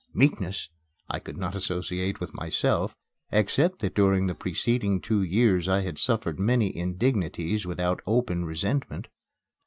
"Meekness" I could not associate with myself, except that during the preceding two years I had suffered many indignities without open resentment.